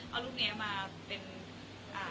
เอาลูกนี้มาเป็นการ